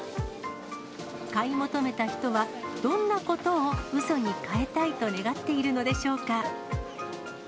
買い求めた人は、どんなことをうそにかえたいと願っているのでしょうか。